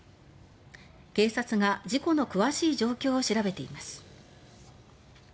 警察が事故の詳しい状況を調べています。